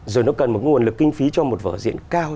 rồi nó cần một nguồn lực kinh phí cho một vở diễn cao